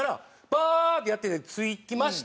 バーッてやってて着きました。